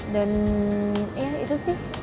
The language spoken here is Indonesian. dan ya itu sih